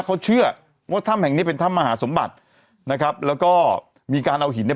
เขาเชื่อว่าถ้ำแห่งนี้เป็นถ้ำมหาสมบัตินะครับแล้วก็มีการเอาหินเนี่ย